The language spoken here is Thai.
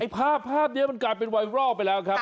ภาพนี้มันกลายเป็นไวรัลไปแล้วครับ